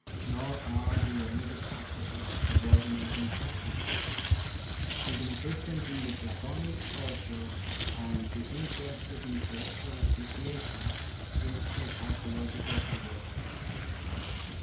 Nor are the omitted factors of subordinate importance. The insistence in the Platonic culture on disin terested intellectual appreciation is a psycho logical error.